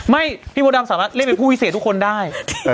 พี่มดดำสามารถเล่นเป็นผู้พิเศษทุกคนได้